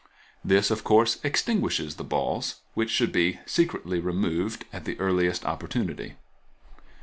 This, of course, extinguishes the balls, which should be secretly removed at the earliest opportunity.